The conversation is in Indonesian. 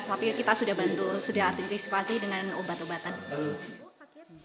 tapi kita sudah bantu sudah antisipasi dengan obat obatan